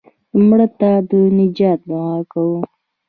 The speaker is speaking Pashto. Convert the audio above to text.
مړه ته د نجات دعا کوو